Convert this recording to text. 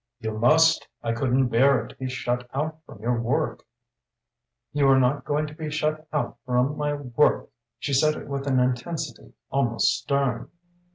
"You must! I couldn't bear it to be shut out from your work." "You are not going to be shut out from my work!" she said it with an intensity almost stern.